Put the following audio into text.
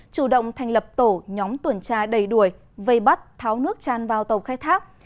chủ động thành lập tổ nhóm tuần tra đầy đuổi vây bắt tháo nước tràn vào tàu khai thác